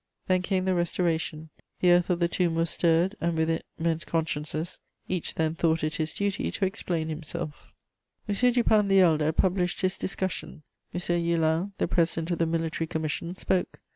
Then came the Restoration: the earth of the tomb was stirred, and with it men's consciences; each then thought it his duty to explain himself. [Illustration: Duc D'Enghien.] M. Dupin the Elder published his Discussion; M. Hulin, the president of the military commission, spoke; M.